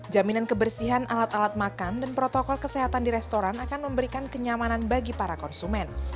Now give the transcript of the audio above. jaminan kebersihan alat alat makan dan protokol kesehatan di restoran akan memberikan kenyamanan bagi para konsumen